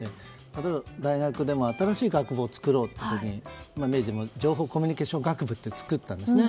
例えば大学でも新しい学部を作ろうって時に明治も情報コミュニケーション学部を作ったんですね。